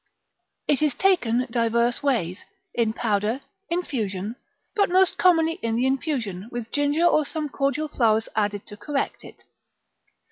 It is taken diverse ways, in powder, infusion, but most commonly in the infusion, with ginger, or some cordial flowers added to correct it.